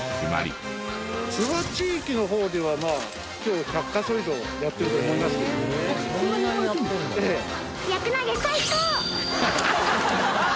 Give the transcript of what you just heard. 諏訪地域の方では今日１００カ所以上やってると思いますけど。